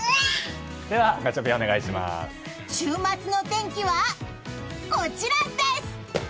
週末の天気はこちらです！